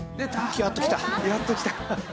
やっときた。